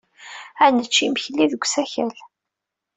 Ad nečč imekli deg usakal.